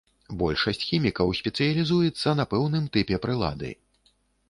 Большасць хімікаў спецыялізуецца на пэўным тыпе прылады.